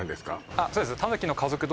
あっそうです